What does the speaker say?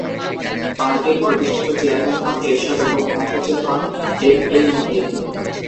পার্টির প্রতিষ্ঠাতা চেয়ারম্যান হন এরশাদ এবং মহাসচিব হন এম এ মতিন।